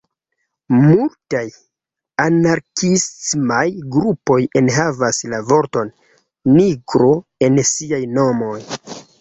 Multaj anarkiismaj grupoj enhavas la vorton "nigro" en siaj nomoj.